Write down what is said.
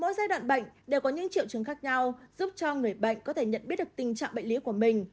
mỗi giai đoạn bệnh đều có những triệu chứng khác nhau giúp cho người bệnh có thể nhận biết được tình trạng bệnh lý của mình